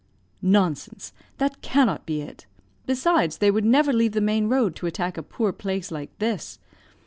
"Nonsense! that cannot be it. Besides they would never leave the main road to attack a poor place like this.